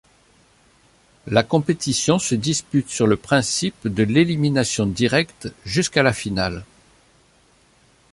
La compétition se dispute sur le principe de l'élimination directe jusqu'à la finale.